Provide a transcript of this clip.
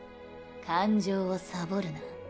感情をサボるな。